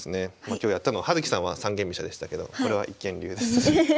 今日やったのは葉月さんは三間飛車でしたけどこれは一間竜です。